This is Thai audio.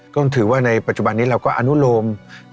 ก็ถือว่าในปัจจุบันนี้เราก็อนุโลม